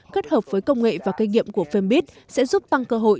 kết hợp với công nghệ và kinh nghiệm của fambit sẽ giúp tăng cơ hội